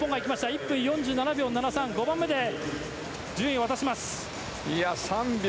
１分４７秒７３、５番目で順位を渡します。